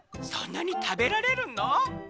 「そんなにたべられるの？」。